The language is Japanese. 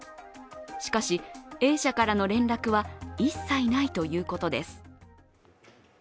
しかしＡ社からの連絡は一切ないということです。